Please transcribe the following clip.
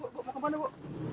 bu mau kemana bu